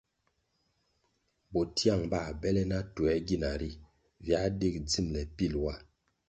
Bo tiang bãh bele na tuĕr gina ri viáh dig dzimbele pil wa.